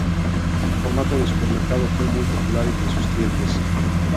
El formato de supermercado fue muy popular entre sus clientes.